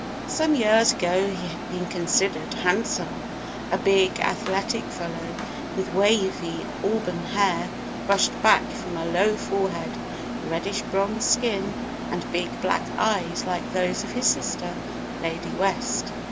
Some years ago he had been considered handsome: a big, athletic fellow with wavy auburn hair brushed back from a low forehead, reddish bronze skin, and big black eyes like those of his sister, Lady West.